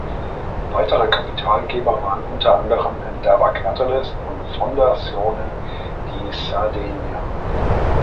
Weitere Kapitalgeber waren unter anderem Endeavor Catalyst und die Fondazione di Sardegna.